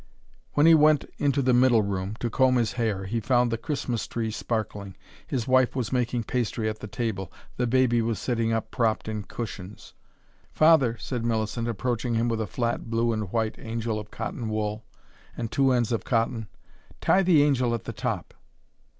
When he went into the middle room to comb his hair he found the Christmas tree sparkling, his wife was making pastry at the table, the baby was sitting up propped in cushions. "Father," said Millicent, approaching him with a flat blue and white angel of cotton wool, and two ends of cotton "tie the angel at the top."